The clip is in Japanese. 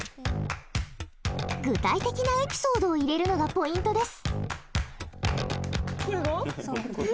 具体的なエピソードを入れるのがポイントです。